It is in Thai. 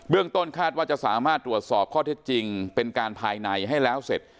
ต้นคาดว่าจะสามารถตรวจสอบข้อเท็จจริงเป็นการภายในให้แล้วเสร็จ